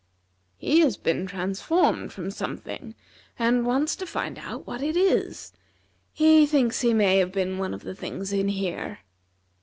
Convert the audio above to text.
"He has been transformed from something, and wants to find out what it is. He thinks he may have been one of the things in here."